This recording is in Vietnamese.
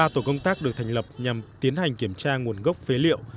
ba tổ công tác được thành lập nhằm tiến hành kiểm tra nguồn gốc phế liệu